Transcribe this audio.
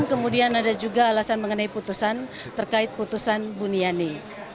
kemudian ada juga alasan mengenai putusan terkait putusan buniani